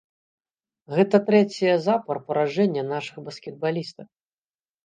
Гэта трэцяе запар паражэнне нашых баскетбалістак.